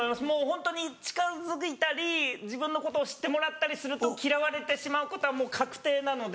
ホントに近づいたり自分のことを知ってもらったりすると嫌われてしまうことは確定なので。